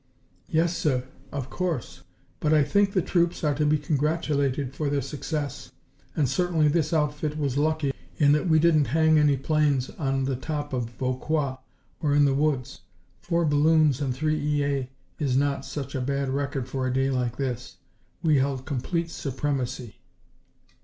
"Yes, sir, of course. But I think the troops are to be congratulated for their success, and certainly this outfit was lucky in that we didn't hang any planes on the top of Vauquois or in the woods. Four balloons and three E.A. is not such a bad record for a day like this. We held complete supremacy."